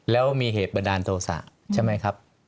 แล้วมีเหตุบรรดาโทษศาสตร์ใช่ไหมครับ